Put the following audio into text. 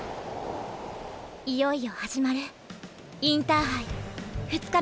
いよいよ始まるインターハイ２日目が！！